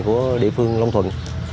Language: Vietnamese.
của địa phương long thuận